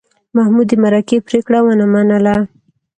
محمود د مرکې پرېکړه ونه منله.